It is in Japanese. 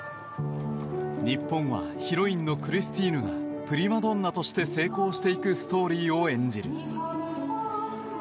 日本はヒロインのクリスティーヌがプリマドンナとして成功していくストーリーを演じる。